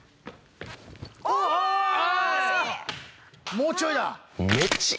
もうちょいだ。